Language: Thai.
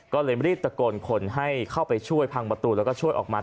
ก็เลยรีบตะโกนคนให้เข้าไปช่วยพังประตูแล้วก็ช่วยออกมา